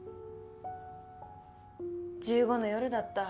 １５の夜だった。